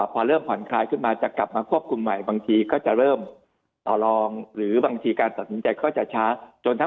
พอเริ่มประโยชน์แล้วแล้วจะมากกำลังจะต่อบอกวังแมลกก็จะ